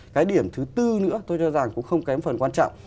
cái điểm thứ tư nữa tôi cho rằng cũng không kém phần quan trọng